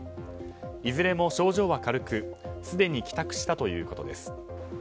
いずれも症状は軽くすでに帰宅したということです。